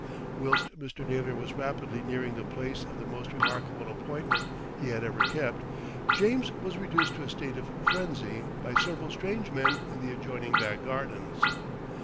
Whilst Mr. Naylor was rapidly nearing the place of the most remarkable appointment he had ever kept, James was reduced to a state of frenzy by several strange men in the adjoining back gardens.